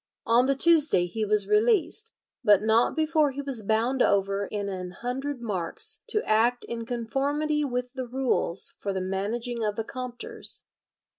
On the Tuesday he was released, but not before he was bound over in an hundred marks to act in conformity with the rules for the managing of the Compters.